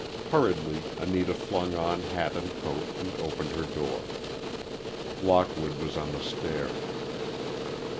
Hurriedly Anita flung on hat and coat, and opened her door. Lockwood was on the stair.